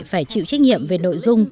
phải chịu trách nhiệm về nội dung